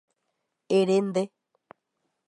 Ere nde.